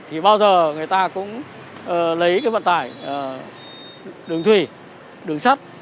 thì bao giờ người ta cũng lấy cái vận tải đường thủy đường sắt